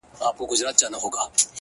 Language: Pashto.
زه هم د هغوی اولاد يم!